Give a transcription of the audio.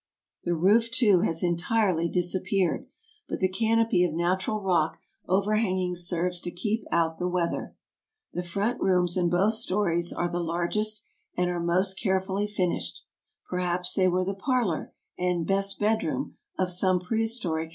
The roof, too, has entirely disappeared, but the canopy of natural rock overhanging serves to keep out the weather. The front rooms in both stories are the largest and are most carefully finished. Perhaps they were the parlor and " best bedroom '' of some prehistoric housewife.